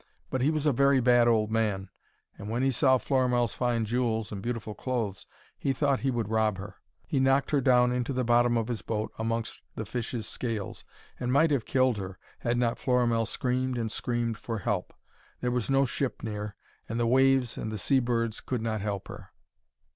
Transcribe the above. But he was a very bad old man, and when he saw Florimell's fine jewels and beautiful clothes he thought he would rob her. He knocked her down into the bottom of his boat amongst the fishes' scales, and might have killed her, had not Florimell screamed and screamed for help. There was no ship near, and the waves and the sea birds could not help her.